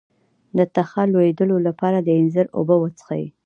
د تخه د لوییدو لپاره د انځر اوبه وڅښئ